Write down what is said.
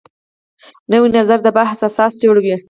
نوی نظر د بحث اساس جوړوي